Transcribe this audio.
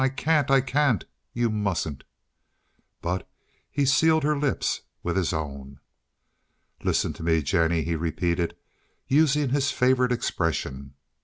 I can't! I can't! You mustn't." But he sealed her lips with his own. "Listen to me, Jennie," he repeated, using his favorite expression.